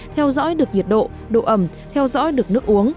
theo dõi được nhiệt độ độ ẩm theo dõi được nước uống